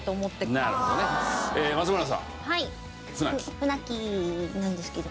ふなきなんですけど。